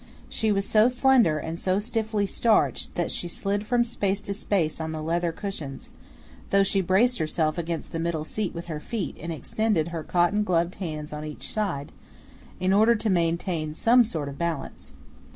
She was so slender and so stiffly starched that she slid from space to space on the leather cushions, though she braced herself against the middle seat with her feet and extended her cotton gloved hands on each side, in order to maintain some sort of balance.